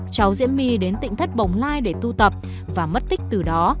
cháu diễm my đến tỉnh thất bồng lai để tu tập và mất tích từ đó